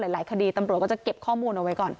หลายคดีตำรวจก็จะเก็บข้อมูลเอาไว้ก่อน